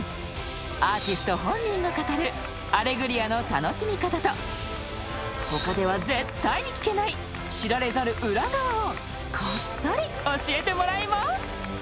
［アーティスト本人が語る『アレグリア』の楽しみ方と他では絶対に聞けない知られざる裏側をこっそり教えてもらいます］